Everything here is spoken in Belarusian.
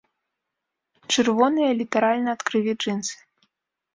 Чырвоныя літаральна ад крыві джынсы.